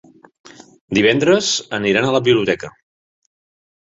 Divendres aniran a la biblioteca.